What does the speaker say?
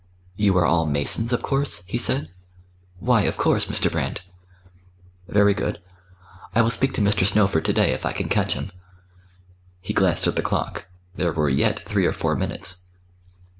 "You are all Masons, of course?" he said. "Why, of course, Mr. Brand." "Very good. I will speak to Mr. Snowford to day if I can catch him." He glanced at the clock. There were yet three or four minutes.